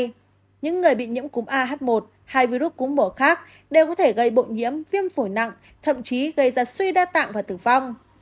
trong đó những người bị nhiễm cúm ah một hay virus cúm mùa khác đều có thể gây bội nhiễm viêm phổi nặng thậm chí gây ra suy đa tạng và tử vong